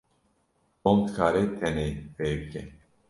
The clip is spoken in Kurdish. Tom dikare tenê vê bike.